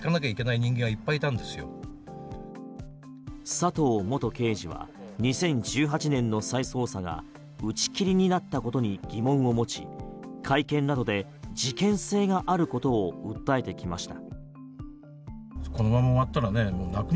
佐藤元刑事は２０１８年の再捜査が打ち切りになったことに疑問を持ち会見などで、事件性があることを訴えてきました。